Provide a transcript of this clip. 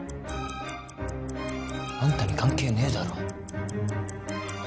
あんたに関係ねえだろ